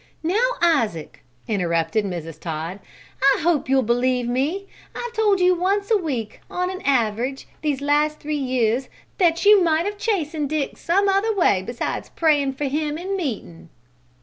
"Now, Isaac," interrupted Mrs. Todd. "I hope you'll believe me! I've told you once a week, on an average, these last three years, that you might have chastened Dick some other way besides prayin' for him in meetin'!"